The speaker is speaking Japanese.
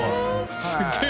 すげえ。